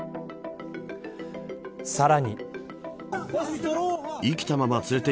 さらに。